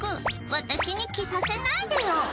私に着させないでよ」